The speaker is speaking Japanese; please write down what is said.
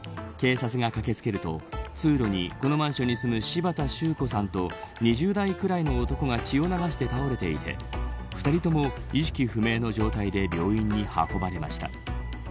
警察が駆け付けると通路に、このマンションに住む柴田周子さんと２０代ぐらいの男が血を流して倒れていて２人とも意識不明の状態で病院に運ばれました。